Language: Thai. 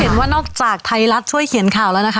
เราเห็นว่านอกจากไทยรัฐช่วยเขียนข่าวแล้วนะคะ